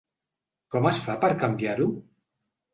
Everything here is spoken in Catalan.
Com es fa per canviar-ho?